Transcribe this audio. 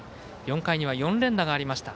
４回には４連打がありました。